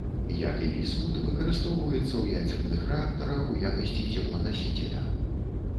Як і вісмут выкарыстоўваецца ў ядзерных рэактарах у якасці цепланасіцеля.